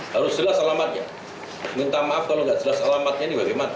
harus jelas alamatnya minta maaf kalau nggak jelas alamatnya ini bagaimana